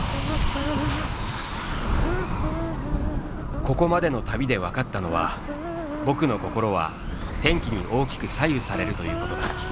ここまでの旅で分かったのは「僕」の心は天気に大きく左右されるということだ。